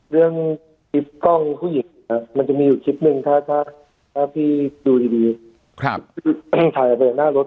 เรื่องคลิปกล้องผู้หญิงมันจะมีอยู่คลิปหนึ่งถ้าพี่ดูดีคลิปที่แป้งถ่ายออกไปจากหน้ารถ